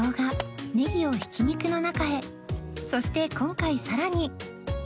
そして今回さらに